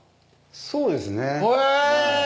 そうですねへぇ！